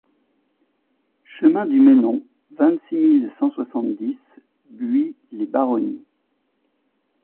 Chemin du Menon, vingt-six mille cent soixante-dix Buis-les-Baronnies